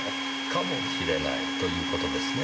かもしれないという事ですね。